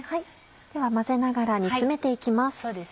では混ぜながら煮詰めて行きます。